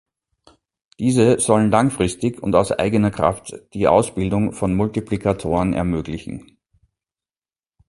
Diese sollen langfristig und aus eigener Kraft die Ausbildung von Multiplikatoren ermöglichen.